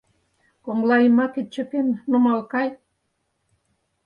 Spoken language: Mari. Коҥлайымакет чыкен, нумал кай.